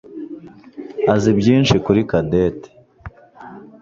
azi byinshi kuri Cadette.